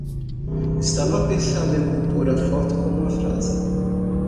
Estava pensando em compor a foto com uma frase